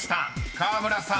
［河村さん